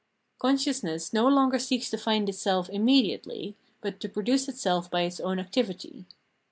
Consciousness no longer seeks to find itself Phrenology 335 immediately, but to produce itself by its own activity.